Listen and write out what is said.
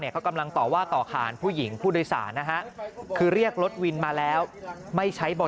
ขอบคุณครับ